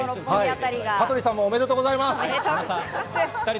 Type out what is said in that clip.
羽鳥さんもおめでとうございます。